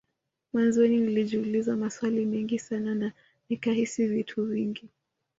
Mwanzoni nilijiuliza maswali mengi sana na nikahisi vitu vingi